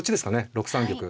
６三玉。